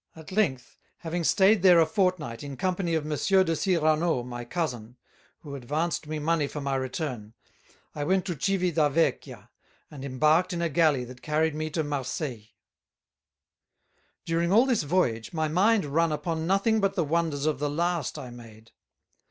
At length, having stayed there a fortnight in Company of Monsieur de Cyrano my Cousin, who advanced me Money for my Return, I went to Civita vecchia, and embarked in a Galley that carried me to Marseilles. During all this Voyage, my mind run upon nothing but the Wonders of the last I made.